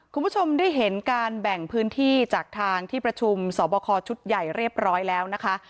คุณผู้ชมได้เห็นการแบ่งพื้นที่จากทางที่ประชุมสอบคอชุดใหญ่เรียบร้อยแล้วนะคะ